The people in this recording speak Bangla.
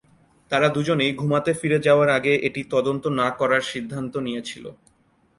তারা দুজনেই ঘুমাতে ফিরে যাওয়ার আগে এটি তদন্ত না করার সিদ্ধান্ত নিয়েছিল।